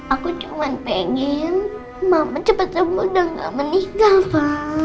aku cuma pengen mama cepat sembuh dan enggak meninggal pak